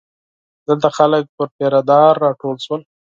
دلته خلک پر پیره دار راټول شول.